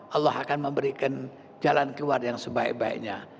allah akan memberikan jalan keluar yang sebaik baiknya